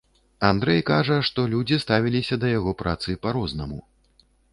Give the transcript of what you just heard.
Андрэй кажа, што людзі ставіліся да яго працы па-рознаму.